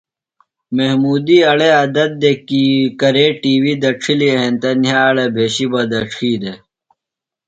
محمودی ایڑےۡ عدت دےۡ کی کرے ٹی وی دڇِھلیۡ ہینتہ نِھیاڑہ بھشیۡ بہ دڇھی دےۡ۔